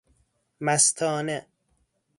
مستانه